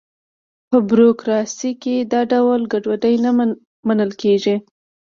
په بروکراسي کې دا ډول ګډوډي نه منل کېږي.